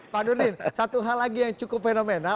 pak nurdin satu hal lagi yang cukup fenomenal